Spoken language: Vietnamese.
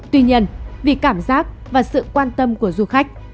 tuy nhiên vì cảm giác và sự quan tâm của du khách